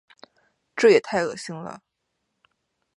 这也太恶心了。